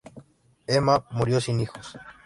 Emma murió sin hijos.